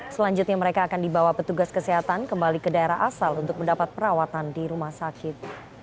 selanjutnya mereka akan dibawa petugas kesehatan kembali ke daerah asal untuk mendapat perawatan di rumah sakit